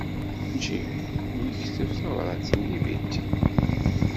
Jim yekteb tabṛat-nni i Betty.